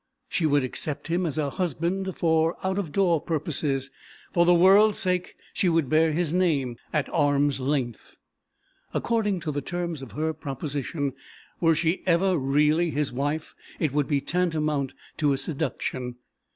She would accept him as a husband for out of door purposes, for the world's sake she would bear his name at arm's length. According to the terms of her proposition were she ever really his wife it would be tantamount to a seduction.